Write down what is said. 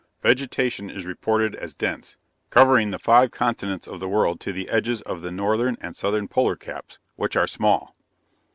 Vegetation is reported as dense, covering the five continents of the world to the edges of the northern and southern polar caps, which are small.